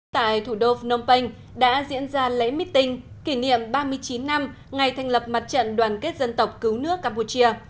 tại thủ đô phnom penh đã diễn ra lễ meeting kỷ niệm ba mươi chín năm ngày thành lập mặt trận đoàn kết dân tộc cứu nước campuchia